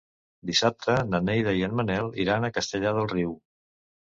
Dissabte na Neida i en Manel iran a Castellar del Riu.